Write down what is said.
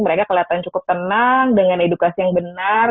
mereka kelihatan cukup tenang dengan edukasi yang benar